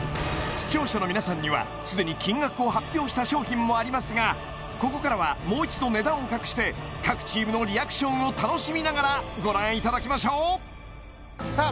視聴者の皆さんにはすでに金額を発表した商品もありますがここからはもう一度値段を隠して各チームのリアクションを楽しみながらご覧いただきましょうさあ